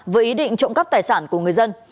với ý định trộm cắp tài sản của người dân